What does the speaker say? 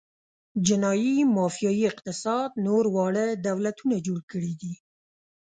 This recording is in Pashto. جنايي مافیايي اقتصاد نور واړه دولتونه جوړ کړي دي.